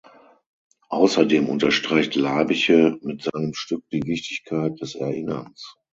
Außerdem unterstreicht Labiche mit seinem Stück die Wichtigkeit des Erinnerns.